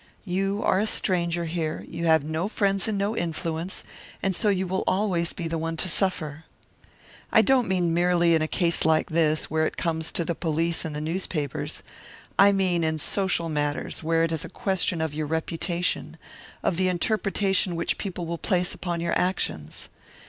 You are a stranger here; you have no friends and no influence, and so you will always be the one to suffer. I don't mean merely in a case like this, where it comes to the police and the newspapers; I mean in social matters where it is a question of your reputation, of the interpretation which people will place upon your actions.